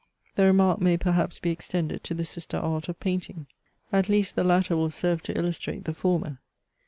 The remark may perhaps be extended to the sister art of painting. At least the latter will serve to illustrate the former.